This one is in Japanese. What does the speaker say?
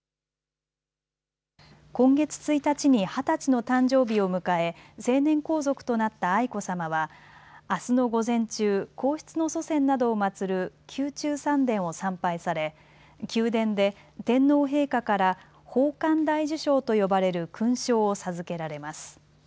今月１日に二十歳の誕生日を迎え成年皇族となった愛子さまはあすの午前中、皇室の祖先などを祭る宮中三殿を参拝され宮殿で天皇陛下から宝冠大綬章と呼ばれる勲章を授けられます。